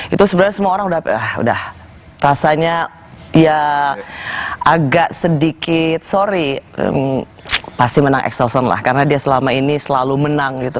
itu sebenarnya semua orang udah rasanya ya agak sedikit sorry pasti menang exelsen lah karena dia selama ini selalu menang gitu